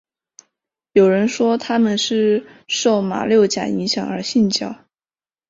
有人说他们是受马六甲影响而信教。